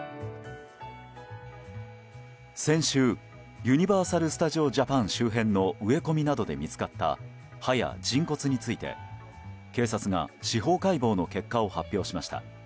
先週、ユニバーサル・スタジオ・ジャパン周辺の植え込みなどで見つかった歯や人骨について警察が司法解剖の結果を発表しました。